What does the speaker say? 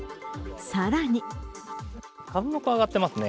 更に数の子上がってますね。